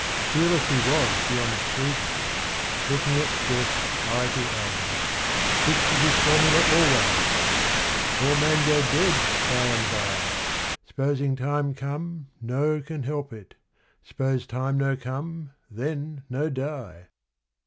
Fearless he was beyond credence, looking at death eye to eye: This was his formula always, 'All man go dead by and bye S'posing time come no can help it s'pose time no come, then no die.'